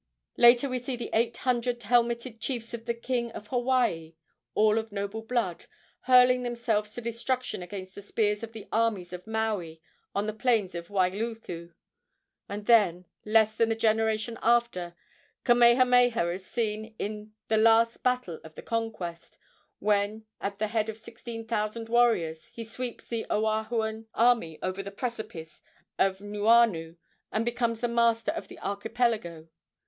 Later we see the eight hundred helmeted chiefs of the king of Hawaii, all of noble blood, hurling themselves to destruction against the spears of the armies of Maui on the plains of Wailuku. And then, less than a generation after, Kamehameha is seen in the last battle of the conquest, when, at the head of sixteen thousand warriors, he sweeps the Oahuan army over the precipice of Nuuanu and becomes the master of the archipelago.